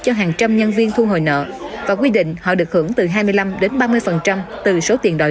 cho hàng trăm nhân viên thu hồi nợ và quy định họ được hưởng từ hai mươi năm đến ba mươi từ số tiền đòi